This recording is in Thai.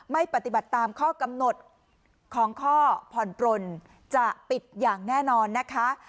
ไม่ปฏิบัติตามข้อกำหนดของข้อผ่อนปลนจะปิดอย่างแน่นอนนะคะ